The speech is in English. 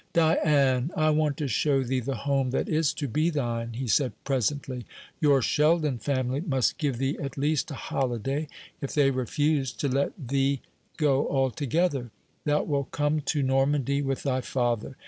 "Diane, I want to show thee the home that is to be thine," he said presently. "Your Sheldon family must give thee at least a holiday, if they refuse to let thee go altogether. Thou wilt come to Normandy with thy father.